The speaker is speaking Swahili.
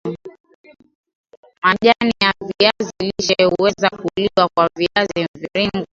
Majani ya viazi lishe huweza kuliwa kwa viazi mviringo